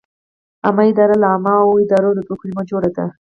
عامه اداره له عامه او اداره دوو کلمو جوړه ده.